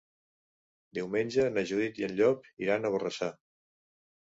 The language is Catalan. Diumenge na Judit i en Llop iran a Borrassà.